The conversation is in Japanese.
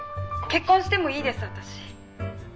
結婚してもいいです私。